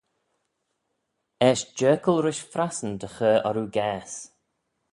Eisht jerkal rish frassyn dy chur orroo gaase.